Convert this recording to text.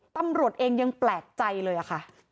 ตำรวจเองยังแปลกใจเลยค่ะ